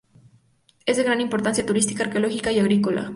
Es de gran importancia turística, arqueológica y agrícola.